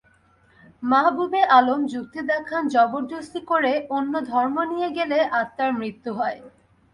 মাহবুবে আলম যুক্তি দেখান, জবরদস্তি করে অন্য ধর্মে নিয়ে গেলে আত্মার মৃত্যু হয়।